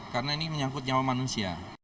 karena ini menyangkut nyawa manusia